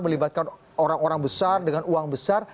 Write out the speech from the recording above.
melibatkan orang orang besar dengan uang besar